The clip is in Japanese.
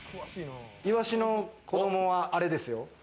いわしの子供は、あれですよ。